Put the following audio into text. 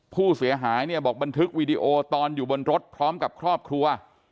ผู้เสียหายเนี่ยบอกบันทึกวีดีโอตอนอยู่บนรถพร้อมกับครอบครัว